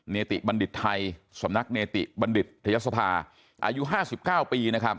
เนติบัณฑิตไทยสำนักเนติบัณฑิตยศภาอายุ๕๙ปีนะครับ